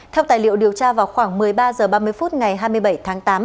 theo tài liệu điều tra vào khoảng một mươi ba h ba mươi phút ngày hai mươi bảy tháng tám